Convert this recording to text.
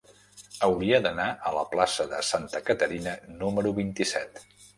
Hauria d'anar a la plaça de Santa Caterina número vint-i-set.